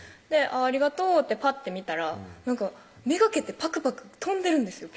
「ありがとう」ってぱって見たら目がけてパクパク跳んでるんですよ